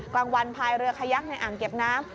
กลางวันพายเรือขยักในอ่างเก็บน้ำ